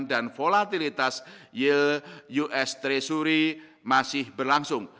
dan volatilitas yield us treasury masih berlangsung